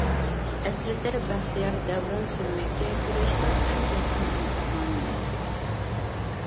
ئەسلىتەر بەختىيار دەۋران سۈرمەككە كۈرەشنىڭ ئەڭ كەسكىن ئىمتىھانىنى.